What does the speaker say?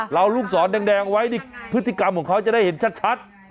ลูกศรแดงไว้นี่พฤติกรรมของเขาจะได้เห็นชัด